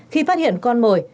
khi phát hiện con mồi